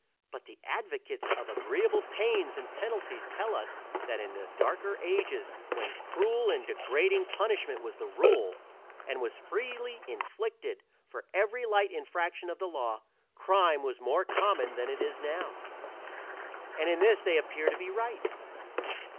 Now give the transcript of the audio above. But the advocates of agreeable pains and penalties tell us that in the darker ages, when cruel and degrading punishment was the rule, and was freely inflicted for every light infraction of the law, crime was more common than it is now; and in this they appear to be right.